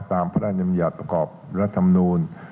ตามพระราชญมยาประกอบรัฐธรรมนูญ